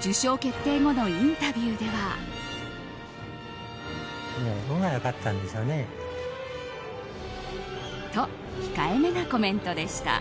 受賞決定後のインタビューでは。と、控えめなコメントでした。